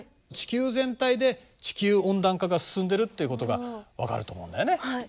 地球全体で地球温暖化が進んでいるっていうことが分かると思うんだよね。